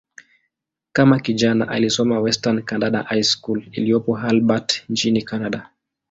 Kama kijana, alisoma "Western Canada High School" iliyopo Albert, nchini Kanada.